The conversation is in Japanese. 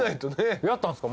やったんすか？